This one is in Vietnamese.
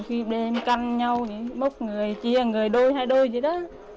thì đêm canh nhau mốc người chia người đôi hai đôi vậy đó